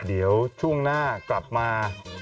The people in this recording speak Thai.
เดี๋ยวช่วงหน้ากลับมา